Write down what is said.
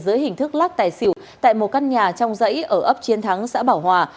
dưới hình thức lắc tài xỉu tại một căn nhà trong dãy ở ấp chiến thắng xã bảo hòa